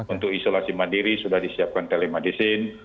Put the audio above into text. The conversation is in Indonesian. untuk isolasi mandiri sudah disiapkan telemedicine